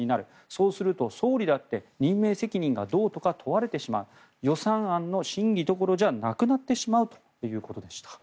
そうすると総理だって任命責任がどうとか問われてしまう予算案の審議どころではなくなってしまうということでした。